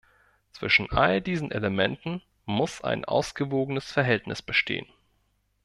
Zwischen all diesen Elementen muss ein ausgewogenes Verhältnis bestehen.